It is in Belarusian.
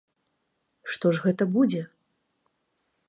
Што ж гэта будзе?